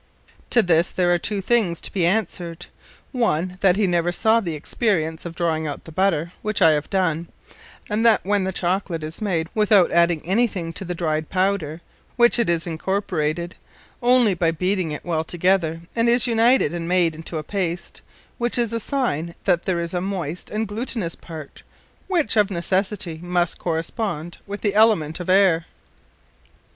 To this, there are two things to be answered: One, that he never saw the experience of drawing out the Butter, which I have done; and that when the Chocolate is made without adding any thing to the dryed Powder, which is incorporated, onely by beating it well together, and is united, and made into a Paste, which is a signe, that there is a moist, and glutinous part, which, of necessity, must correspond with the Element of Aire.